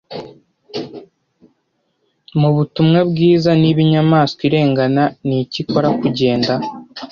Mubutumwa bwiza niba inyamanswa irengana niki ikora Kugenda